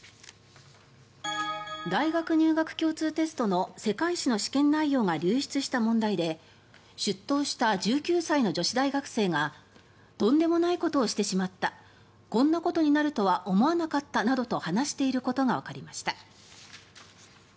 大学入学共通テストの世界史の試験内容が流出した問題で出頭した１９歳の女子大学生がとんでもないことをしてしまったこんなことになるとは思わなかったなどと話していることがわかりました。